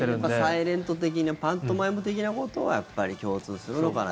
サイレント的なパントマイム的なことはやっぱり共通するのかなと。